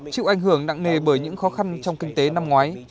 chịu ảnh hưởng nặng nề bởi những khó khăn trong kinh tế năm ngoái